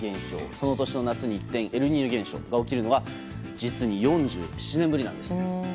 その年の夏に一転エルニーニョ現象が起きるのは実に４７年ぶりなんです。